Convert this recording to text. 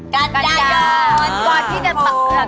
กันดายน